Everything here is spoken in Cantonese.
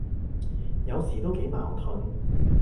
有時都幾矛盾，